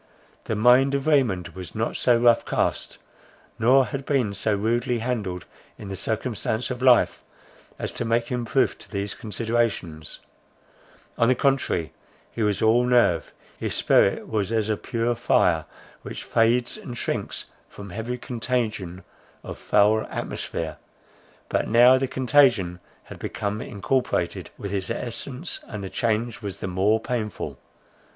The mind of Raymond was not so rough cast, nor had been so rudely handled, in the circumstance of life, as to make him proof to these considerations—on the contrary, he was all nerve; his spirit was as a pure fire, which fades and shrinks from every contagion of foul atmosphere: but now the contagion had become incorporated with its essence, and the change was the more painful.